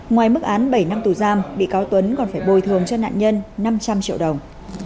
ngoài mức án bảy năm tù giam bị cáo tuấn còn phải bồi thường cho nạn nhân năm trăm linh triệu đồng